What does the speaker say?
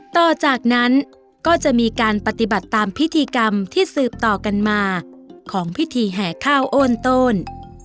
ต่อจากนั้นก็จะมีการปฏิบัติตามพิธีกรรมที่สืบต่อกันมาของพิธีแห่ข้าวโอนโตน